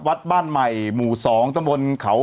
วัดบ้านใหม่หมู่๒ตำบลเขา